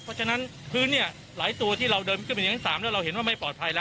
เพราะฉะนั้นพื้นเนี่ยหลายตัวที่เราเดินก็เป็นอย่างหน้าสามเนี่ยเราเห็นว่าไม่ปลอดภัยละ